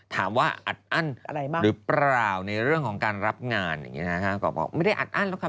ถามว่าอัดอั้นอะไรบ้างหรือเปล่าในเรื่องของการรับงานอย่างนี้นะฮะกรอบบอกไม่ได้อัดอั้นหรอกค่ะ